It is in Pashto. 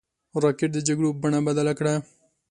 راکټ د جګړو بڼه بدله کړه